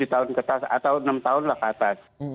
tujuh tahun atau enam tahun lah kata